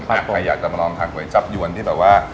ถ้าใครอยากจะมาลองทานก๋วยจับยวนที่แบบว่า